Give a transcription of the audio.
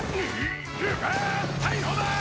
逮捕だー！